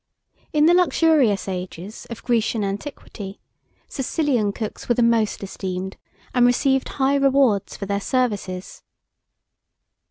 In the luxurious ages of Grecian antiquity, Sicilian cooks were the most esteemed, and received high rewards for their services.